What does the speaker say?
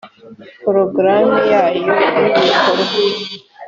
porogaramu yayo y’ibikorwa